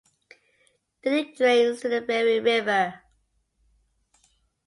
The lake drains to the Bheri River.